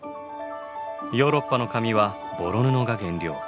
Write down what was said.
ヨーロッパの紙はボロ布が原料。